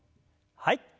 はい。